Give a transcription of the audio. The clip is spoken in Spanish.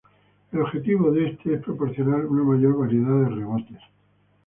El objetivo de este es proporcionar una mayor variedad de rebotes.